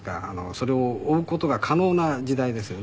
それを追う事が可能な時代ですよね